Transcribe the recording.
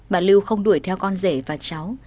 bà lưu không đuổi theo con dễ và cháu